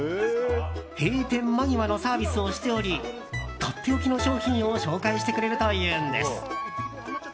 閉店間際のサービスをしておりとっておきの商品を紹介してくれるというんです。